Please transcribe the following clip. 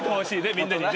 みんなにね。